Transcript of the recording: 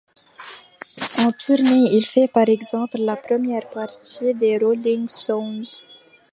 En tournée, il fait par exemple la première partie des Rolling Stones.